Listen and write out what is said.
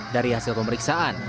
dari hasil pemeriksaan